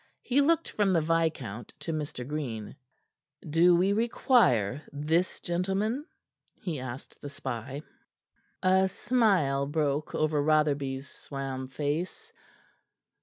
He looked from the viscount to Mr. Green. "Do we require this gentleman?" he asked the spy. A smile broke over Rotherby's swam face.